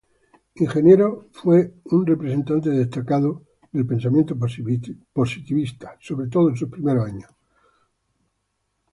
Ingenieros fue un representante destacado del pensamiento positivista, sobre todo en sus primeros años.